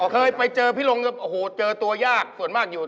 เคยไปเจอพี่ลงก็โอ้โหเจอตัวยากส่วนมากอยู่